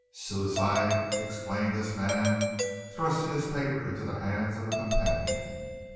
"Suicide?" exclaimed this man, thrusting his paper into the hands of a companion.